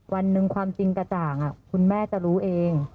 วันหนึ่งความจริงกระจ่างคุณแม่จะรู้เอง